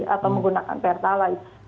atau menggunakan fertilite